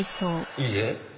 いいえ。